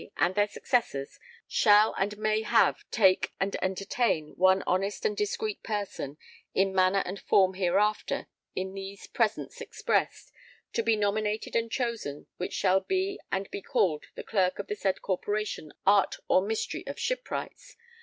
and their successors shall and may have take and entertain one honest and discreet person in manner and form hereafter in these presents expressed to be nominated and chosen which shall be and be called the Clerk of the said corporation art or mystery of Shipwrights.